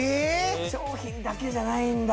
商品だけじゃないんだ